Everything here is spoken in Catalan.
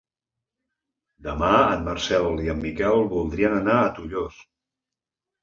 Demà en Marcel i en Miquel voldrien anar a Tollos.